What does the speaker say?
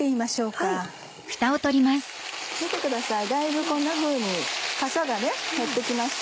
だいぶこんなふうにかさが減って来ました。